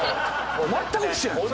全く一緒やん。